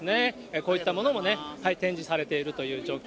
こういったものも展示されているという状況。